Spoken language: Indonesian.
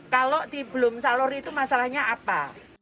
kalau belum salur itu masalahnya apa